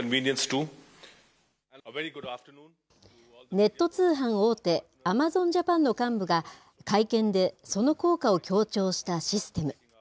ネット通販大手、アマゾンジャパンの幹部が、会見でその効果を強調したシステム。